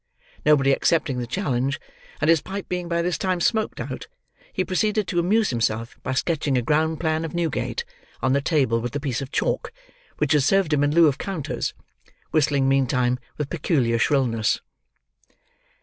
Nobody accepting the challenge, and his pipe being by this time smoked out, he proceeded to amuse himself by sketching a ground plan of Newgate on the table with the piece of chalk which had served him in lieu of counters; whistling, meantime, with peculiar shrillness.